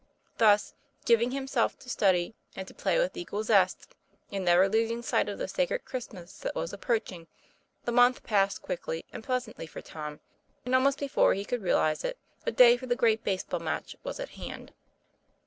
Thus, giving himself to study and to play with equal zest, and never losing sight of the sacred Christmas that was approaching, the month passed quickly and pleasantly for Tom; and almost before he could realize it, the day for the great base ball match was at hand.